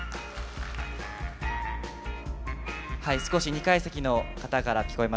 はい少し２階席の方から聞こえました。